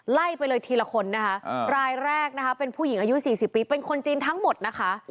ไล่ไปเลยทีละคนนะคะรายแรกนะคะเป็นผู้หญิงอายุ๔๐ปีเป็นคนจีนทั้งหมดนะคะ